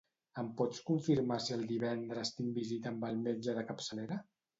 Em pots confirmar si el divendres tinc visita amb el metge de capçalera?